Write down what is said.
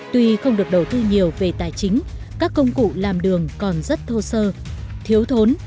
tuy không được đầu tư nhiều về tài chính các công cụ làm đường còn rất thô sơ thiếu thốn